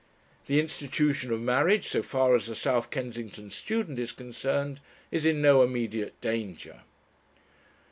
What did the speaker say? The institution of marriage, so far as the South Kensington student is concerned, is in no immediate danger.